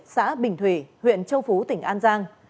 xã bình thủy huyện châu phú tỉnh an giang